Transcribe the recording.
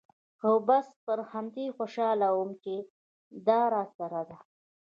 خو بس پر همدې خوشاله وم چې دا راسره ده.